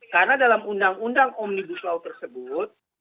karena dalam undang undang omnibus law tersebut